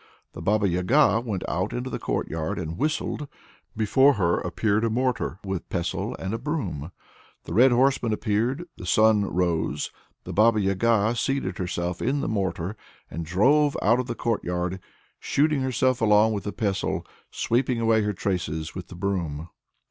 The Baba Yaga went out into the courtyard and whistled before her appeared a mortar with a pestle and a broom. The red horseman appeared the sun rose. The Baba Yaga seated herself in the mortar, and drove out of the courtyard, shooting herself along with the pestle, sweeping away her traces with the broom.